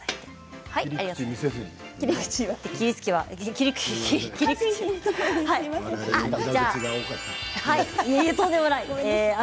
とんでもない。